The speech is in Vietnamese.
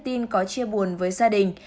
tin có chia buồn với gia đình